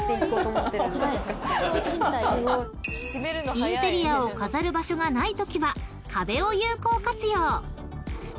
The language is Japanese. ［インテリアを飾る場所がないときは壁を有効活用］